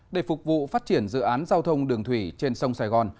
để phục vụ phát triển dự án giao thông đường thủy trên sông sài gòn